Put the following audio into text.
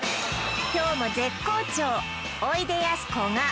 今日も絶好調